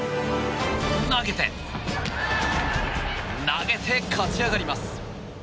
投げて、投げて勝ち上がります。